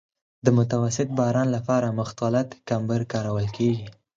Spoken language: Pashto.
د متوسط باران لپاره مختلط کمبر کارول کیږي